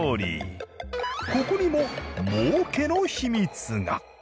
ここにも儲けの秘密が。